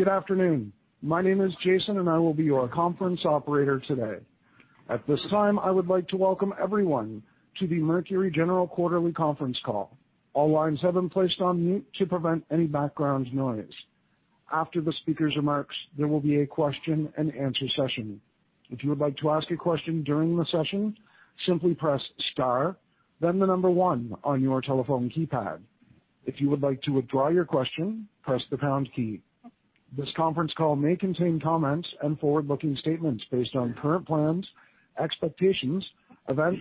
Good afternoon. My name is Jason. I will be your conference operator today. At this time, I would like to welcome everyone to the Mercury General quarterly conference call. All lines have been placed on mute to prevent any background noise. After the speaker's remarks, there will be a question and answer session. If you would like to ask a question during the session, simply press star, the number one on your telephone keypad. If you would like to withdraw your question, press the pound key. This conference call may contain comments and forward-looking statements based on current plans, expectations, events,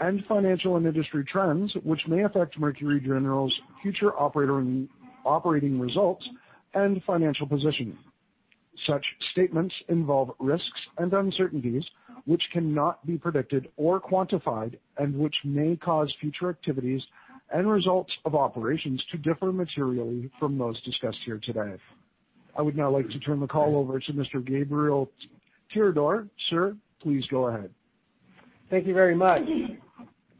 and financial and industry trends, which may affect Mercury General's future operating results and financial positioning. Such statements involve risks and uncertainties which cannot be predicted or quantified, which may cause future activities and results of operations to differ materially from those discussed here today. I would now like to turn the call over to Mr. Gabriel Tirador. Sir, please go ahead. Thank you very much.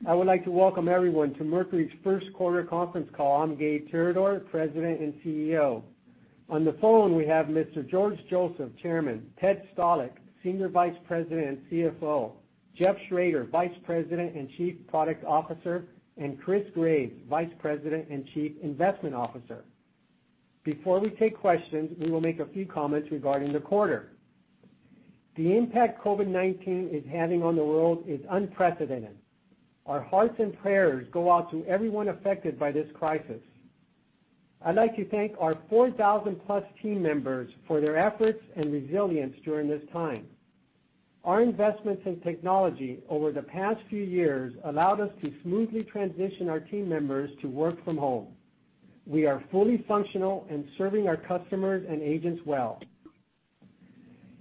I would like to welcome everyone to Mercury's first quarter conference call. I'm Gabe Tirador, President and CEO. On the phone, we have Mr. George Joseph, Chairman, Ted Stalick, Senior Vice President and CFO, Jeff Schroeder, Vice President and Chief Product Officer, and Chris Graves, Vice President and Chief Investment Officer. Before we take questions, we will make a few comments regarding the quarter. The impact COVID-19 is having on the world is unprecedented. Our hearts and prayers go out to everyone affected by this crisis. I'd like to thank our 4,000+ team members for their efforts and resilience during this time. Our investments in technology over the past few years allowed us to smoothly transition our team members to work from home. We are fully functional and serving our customers and agents well.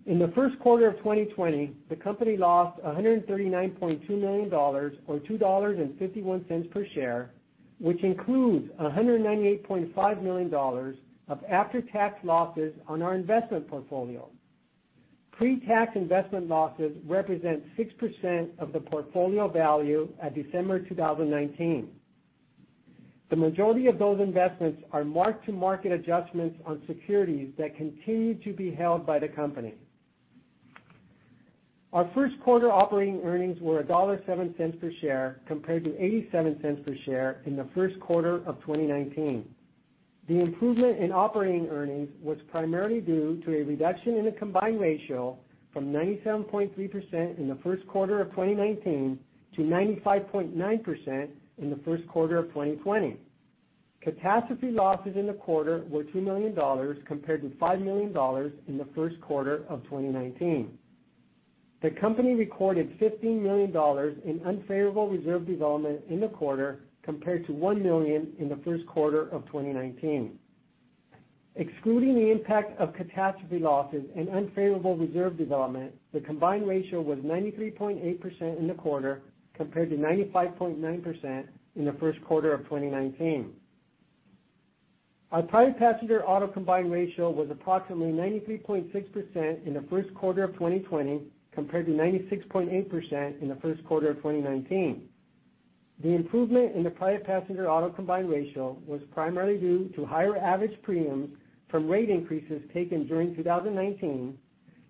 In the first quarter of 2020, the company lost $139.2 million, or $2.51 per share, which includes $198.5 million of after-tax losses on our investment portfolio. Pre-tax investment losses represent 6% of the portfolio value at December 2019. The majority of those investments are mark-to-market adjustments on securities that continue to be held by the company. Our first quarter operating earnings were $1.07 per share compared to $0.87 per share in the first quarter of 2019. The improvement in operating earnings was primarily due to a reduction in the combined ratio from 97.3% in the first quarter of 2019 to 95.9% in the first quarter of 2020. Catastrophe losses in the quarter were $2 million compared to $5 million in the first quarter of 2019. The company recorded $15 million in unfavorable reserve development in the quarter compared to $1 million in the first quarter of 2019. Excluding the impact of catastrophe losses and unfavorable reserve development, the combined ratio was 93.8% in the quarter compared to 95.9% in the first quarter of 2019. Our Private Passenger Auto combined ratio was approximately 93.6% in the first quarter of 2020 compared to 96.8% in the first quarter of 2019. The improvement in the Private Passenger Auto combined ratio was primarily due to higher average premiums from rate increases taken during 2019,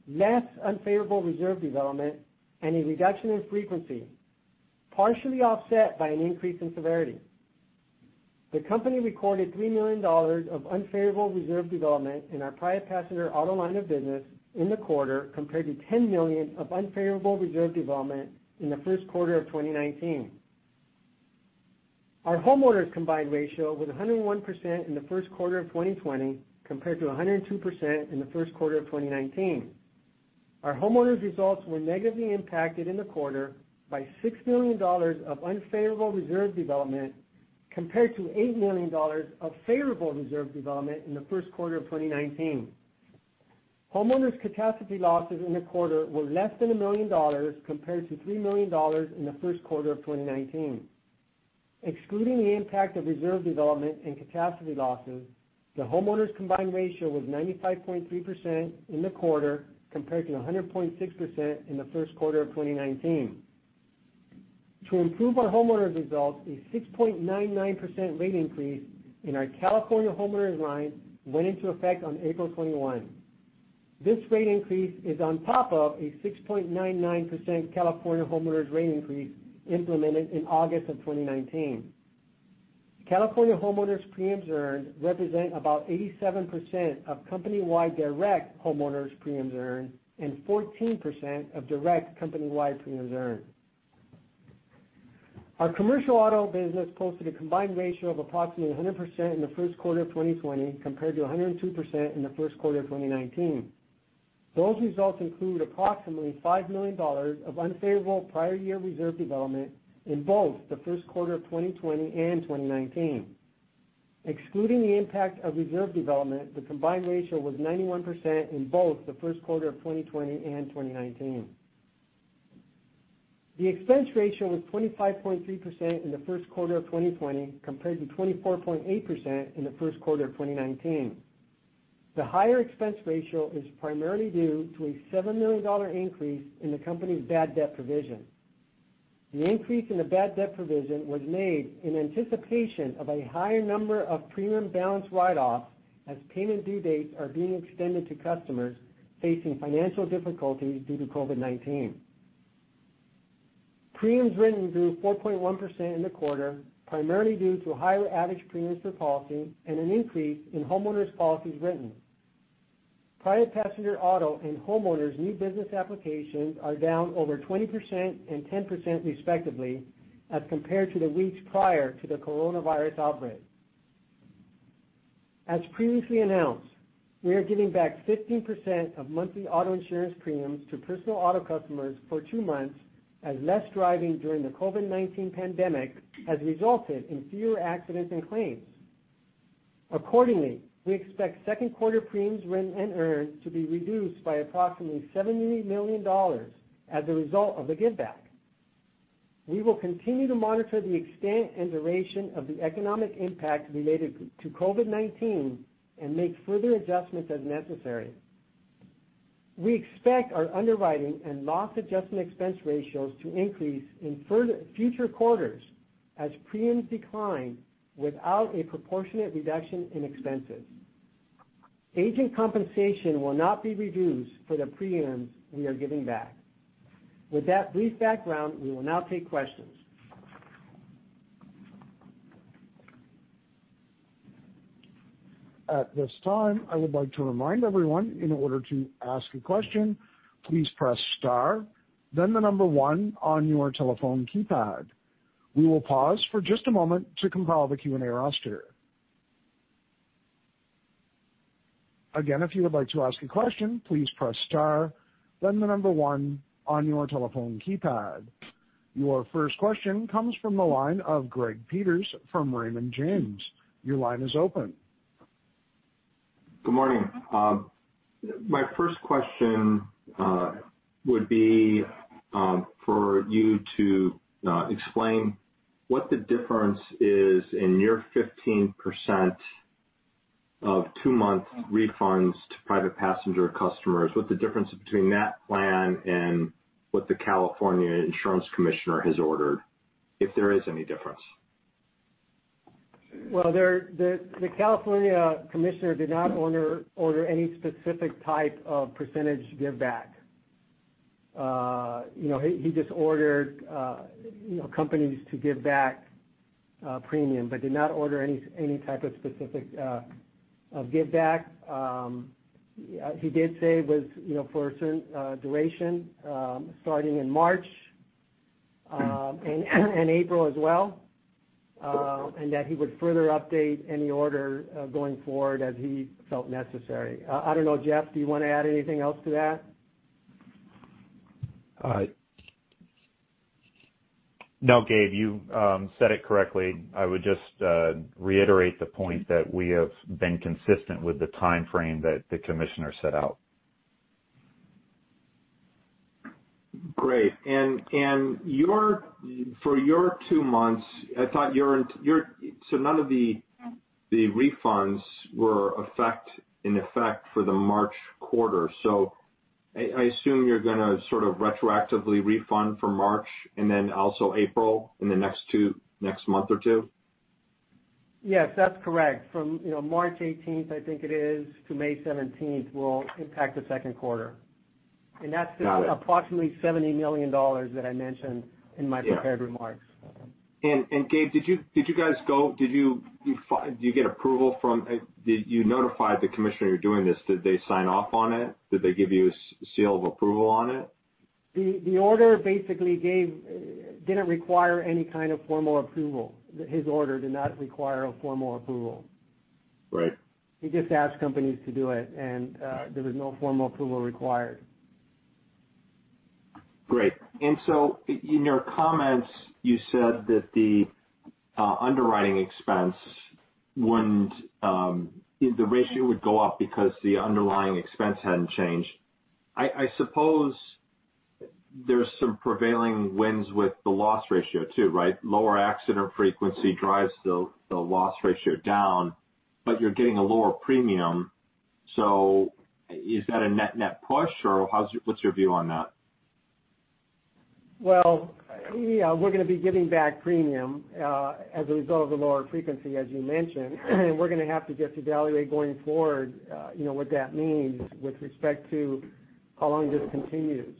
less unfavorable reserve development, and a reduction in frequency, partially offset by an increase in severity. The company recorded $3 million of unfavorable reserve development in our Private Passenger Auto line of business in the quarter compared to $10 million of unfavorable reserve development in the first quarter of 2019. Our Homeowners combined ratio was 101% in the first quarter of 2020 compared to 102% in the first quarter of 2019. Our Homeowners' results were negatively impacted in the quarter by $6 million of unfavorable reserve development compared to $8 million of favorable reserve development in the first quarter of 2019. Homeowners' catastrophe losses in the quarter were less than $1 million compared to $3 million in the first quarter of 2019. Excluding the impact of reserve development and catastrophe losses, the Homeowners' combined ratio was 95.3% in the quarter compared to 100.6% in the first quarter of 2019. To improve our Homeowners results, a 6.99% rate increase in our California homeowners line went into effect on April 21. This rate increase is on top of a 6.99% California homeowners rate increase implemented in August of 2019. California homeowners' premiums earned represent about 87% of company-wide direct Homeowners' premiums earned and 14% of direct company-wide premiums earned. Our commercial auto business posted a combined ratio of approximately 100% in the first quarter of 2020 compared to 102% in the first quarter of 2019. Those results include approximately $5 million of unfavorable prior year reserve development in both the first quarter of 2020 and 2019. Excluding the impact of reserve development, the combined ratio was 91% in both the first quarter of 2020 and 2019. The expense ratio was 25.3% in the first quarter of 2020 compared to 24.8% in the first quarter of 2019. The higher expense ratio is primarily due to a $7 million increase in the company's bad debt provision. The increase in the bad debt provision was made in anticipation of a higher number of premium balance write-offs as payment due dates are being extended to customers facing financial difficulties due to COVID-19. Premiums written grew 4.1% in the quarter, primarily due to higher average premiums per policy and an increase in Homeowners' policies written. Private Passenger Auto and Homeowners' new business applications are down over 20% and 10%, respectively, as compared to the weeks prior to the coronavirus outbreak. As previously announced, we are giving back 15% of monthly auto insurance premiums to personal auto customers for two months, as less driving during the COVID-19 pandemic has resulted in fewer accidents and claims. Accordingly, we expect second quarter premiums written and earned to be reduced by approximately $70 million as a result of the giveback. We will continue to monitor the extent and duration of the economic impact related to COVID-19 and make further adjustments as necessary. We expect our underwriting and loss adjustment expense ratios to increase in future quarters as premiums decline without a proportionate reduction in expenses. Agent compensation will not be reduced for the premiums we are giving back. With that brief background, we will now take questions. At this time, I would like to remind everyone, in order to ask a question, please press star, then the number one on your telephone keypad. We will pause for just a moment to compile the Q&A roster. Again, if you would like to ask a question, please press star, then the number one on your telephone keypad. Your first question comes from the line of Greg Peters from Raymond James. Your line is open. Good morning. My first question would be for you to explain what the difference is in your 15% of two-month refunds to Private Passenger customers. What's the difference between that plan and what the California Insurance Commissioner has ordered, if there is any difference? Well, the California Commissioner did not order any specific type of percentage giveback. He just ordered companies to give back premium but did not order any type of specific giveback. He did say it was for a certain duration, starting in March and April as well, and that he would further update any order going forward as he felt necessary. I don't know, Jeff, do you want to add anything else to that? No, Gabe, you said it correctly. I would just reiterate the point that we have been consistent with the timeframe that the commissioner set out. Great. For your two months, none of the refunds were in effect for the March quarter. I assume you're going to retroactively refund for March and then also April in the next month or two? Yes, that's correct. From March 18th, I think it is, to May 17th will impact the second quarter. Got it. That's the approximately $70 million that I mentioned in my prepared remarks. Gabe, did you notify the Commissioner you're doing this? Did they sign off on it? Did they give you a seal of approval on it? The order basically didn't require any kind of formal approval. His order did not require a formal approval. Right. He just asked companies to do it, there was no formal approval required. Great. In your comments, you said that the underwriting expense, the ratio would go up because the underlying expense hadn't changed. I suppose there's some prevailing winds with the loss ratio, too, right? Lower accident frequency drives the loss ratio down, but you're getting a lower premium. Is that a net-net push, or what's your view on that? Well, we're going to be giving back premium as a result of the lower frequency, as you mentioned. We're going to have to just evaluate going forward what that means with respect to how long this continues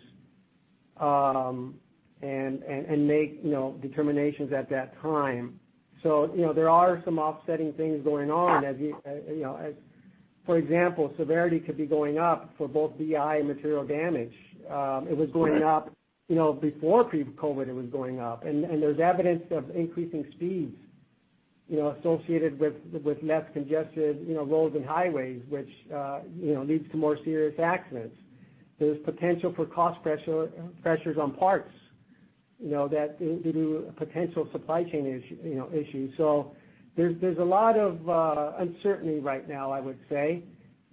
and make determinations at that time. There are some offsetting things going on. For example, severity could be going up for both BI and material damage. Right. It was going up before COVID. It was going up. There's evidence of increasing speeds associated with less congested roads and highways, which leads to more serious accidents. There's potential for cost pressures on parts due to potential supply chain issues. There's a lot of uncertainty right now, I would say.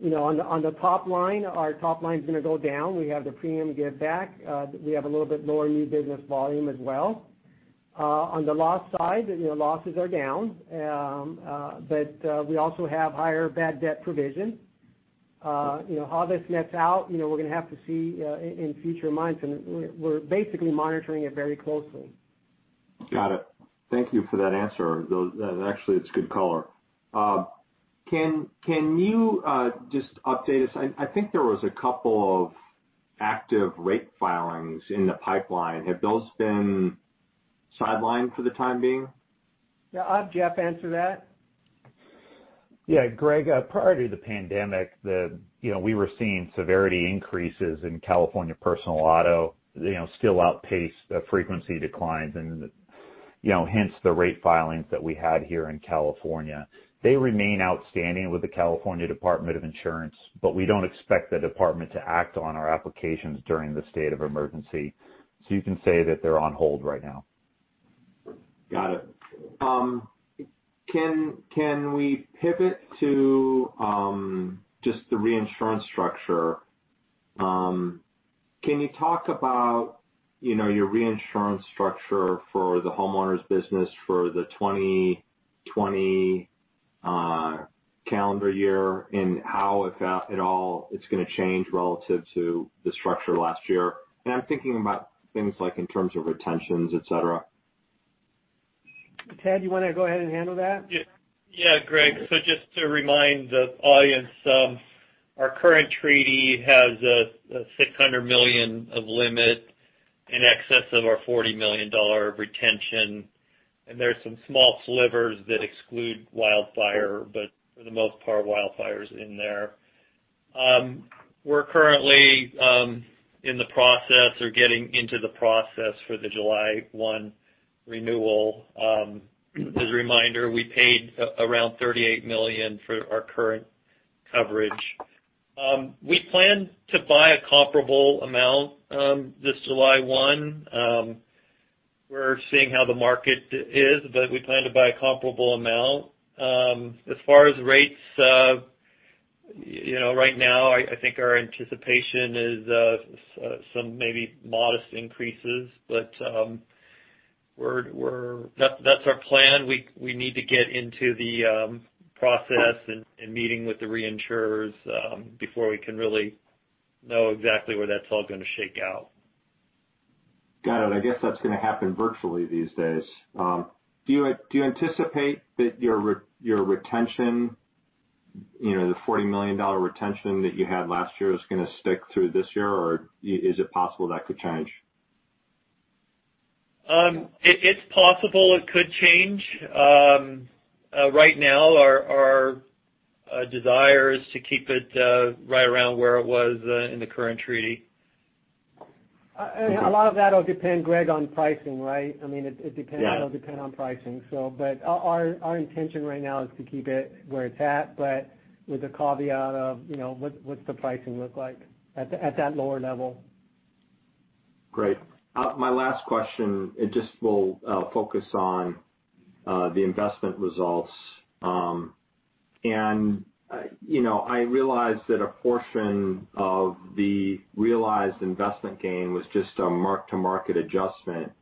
On the top line, our top line's going to go down. We have the premium giveback. We have a little bit lower new business volume as well. On the loss side, losses are down, but we also have higher bad debt provision. How this nets out, we're going to have to see in future months. We're basically monitoring it very closely. Got it. Thank you for that answer. Actually, it's good color. Can you just update us? I think there was a couple of active rate filings in the pipeline. Have those been sidelined for the time being? Yeah. I'll have Jeff answer that. Yeah, Greg, prior to the pandemic, we were seeing severity increases in California personal auto still outpace the frequency declines and hence the rate filings that we had here in California. They remain outstanding with the California Department of Insurance, we don't expect the department to act on our applications during the state of emergency. You can say that they're on hold right now. Got it. Can we pivot to just the reinsurance structure? Can you talk about your reinsurance structure for the Homeowners business for the 2020 calendar year, and how, if at all, it's going to change relative to the structure last year? I'm thinking about things like in terms of retentions, et cetera. Ted, you want to go ahead and handle that? Greg, just to remind the audience, our current treaty has a $600 million of limit in excess of our $40 million retention. There are some small slivers that exclude wildfire, but for the most part, wildfire's in there. We're currently in the process or getting into the process for the July 1 renewal. As a reminder, we paid around $38 million for our current coverage. We plan to buy a comparable amount this July 1. We're seeing how the market is, but we plan to buy a comparable amount. As far as rates, right now, I think our anticipation is some maybe modest increases, but that's our plan. We need to get into the process and meeting with the reinsurers before we can really know exactly where that's all going to shake out. Got it. I guess that's going to happen virtually these days. Do you anticipate that your retention, the $40 million retention that you had last year, is going to stick through this year, or is it possible that could change? It's possible it could change. Right now, our desire is to keep it right around where it was in the current treaty. A lot of that'll depend, Greg, on pricing, right? Yeah A lot will depend on pricing. Our intention right now is to keep it where it's at, but with the caveat of what's the pricing look like at that lower level. Great. My last question just will focus on the investment results. I realize that a portion of the realized investment gain was just a mark-to-market adjustment.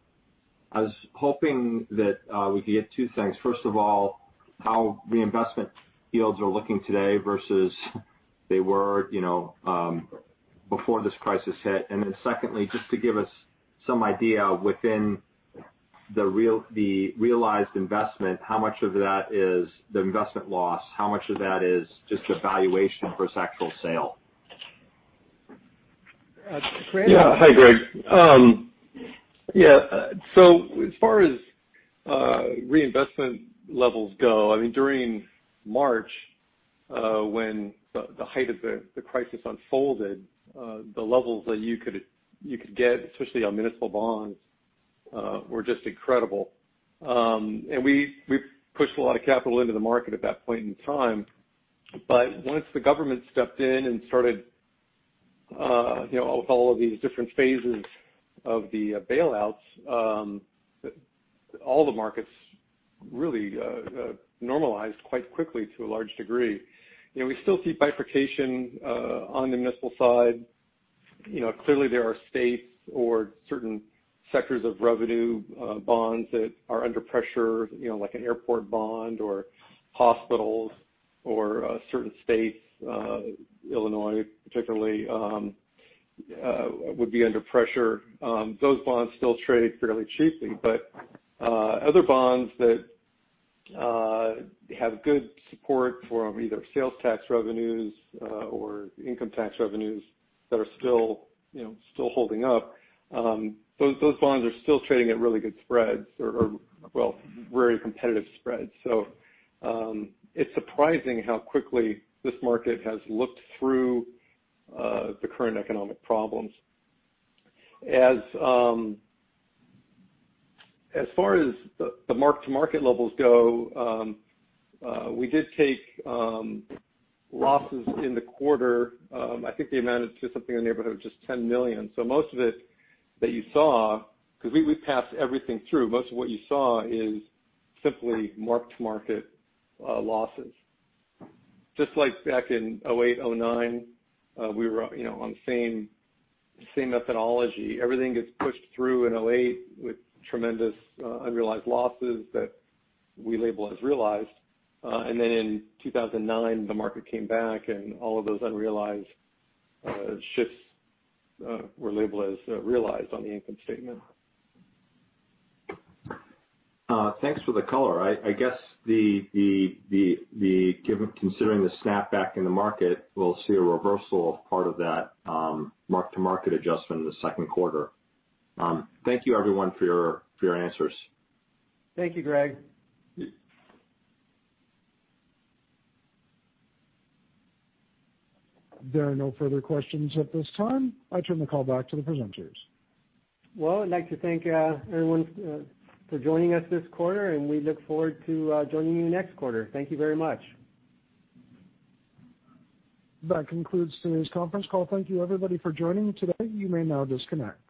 I was hoping that we could get two things. First of all, how the investment yields are looking today versus they were before this crisis hit. Secondly, just to give us some idea within the realized investment, how much of that is the investment loss, how much of that is just a valuation versus actual sale? Chris? Hi, Greg. As far as reinvestment levels go, during March, when the height of the crisis unfolded, the levels that you could get, especially on municipal bonds, were just incredible. We pushed a lot of capital into the market at that point in time. Once the government stepped in and started with all of these different phases of the bailouts, all the markets really normalized quite quickly to a large degree. We still see bifurcation on the municipal side. Clearly, there are states or certain sectors of revenue bonds that are under pressure, like an airport bond or hospitals or certain states, Illinois particularly, would be under pressure. Those bonds still trade fairly cheaply. Other bonds that have good support from either sales tax revenues or income tax revenues that are still holding up, those bonds are still trading at really good spreads or, well, very competitive spreads. It's surprising how quickly this market has looked through the current economic problems. As far as the mark-to-market levels go, we did take losses in the quarter. I think the amount is just something in the neighborhood of just $10 million. Most of it that you saw, because we pass everything through, most of what you saw is simply mark-to-market losses. Just like back in 2008, 2009, we were on the same methodology. Everything gets pushed through in 2008 with tremendous unrealized losses that we label as realized. In 2009, the market came back, and all of those unrealized shifts were labeled as realized on the income statement. Thanks for the color. I guess considering the snapback in the market, we'll see a reversal of part of that mark-to-market adjustment in the second quarter. Thank you, everyone, for your answers. Thank you, Greg. There are no further questions at this time. I turn the call back to the presenters. Well, I'd like to thank everyone for joining us this quarter. We look forward to joining you next quarter. Thank you very much. That concludes today's conference call. Thank you everybody for joining today. You may now disconnect.